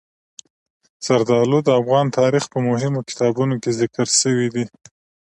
زردالو د افغان تاریخ په مهمو کتابونو کې ذکر شوي دي.